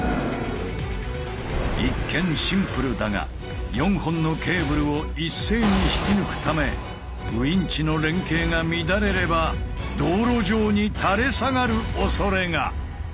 一見シンプルだが４本のケーブルを一斉に引き抜くためウインチの連携が乱れれば道路上に垂れ下がるおそれが！